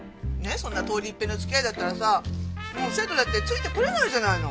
そんな通り一遍の付き合いだったらさもう生徒だってついてこれないじゃないの。